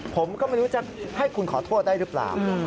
ผมก็ไม่รู้จะให้คุณขอโทษได้หรือเปล่า